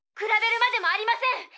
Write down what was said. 比べるまでもありません。